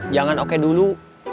jangan oke dulu